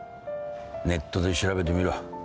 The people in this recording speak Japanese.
ネットで調べてみろ。